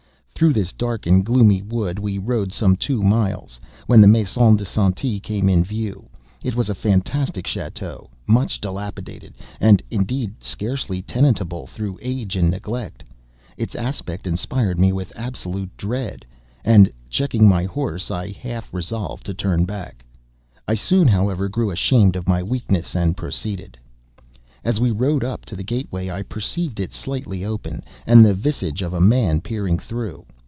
Through this dank and gloomy wood we rode some two miles, when the Maison de Santé came in view. It was a fantastic château, much dilapidated, and indeed scarcely tenantable through age and neglect. Its aspect inspired me with absolute dread, and, checking my horse, I half resolved to turn back. I soon, however, grew ashamed of my weakness, and proceeded. As we rode up to the gate way, I perceived it slightly open, and the visage of a man peering through.